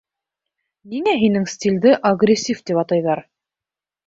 — Ниңә һинең стилде агрессив тип атайҙар?